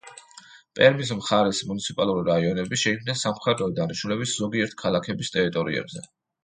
პერმის მხარის მუნიციპალური რაიონები შეიქმნა სამხარეო დანიშნულების ზოგიერთი ქალაქების ტერიტორიებზე.